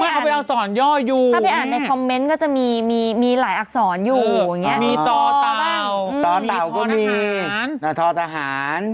ถ้าไปอ่านในคอมเมนต์ก็จะมีหลายอักษรอยู่มีต่อต่าวก็มีพอร์นทหาร